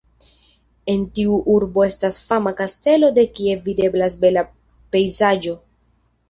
En tiu urbo estas fama kastelo de kie videblas bela pejzaĝo.